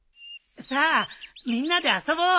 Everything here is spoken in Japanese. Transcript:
さあみんなで遊ぼう。